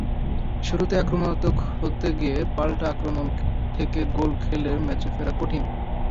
শুরুতেই আক্রমণাত্মক হতে গিয়ে পাল্টা-আক্রমণ থেকে গোল খেলে ম্যাচে ফেরা কঠিন।